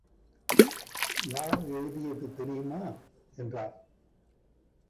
யார் எழுதியது தெரியுமா? என்றார்.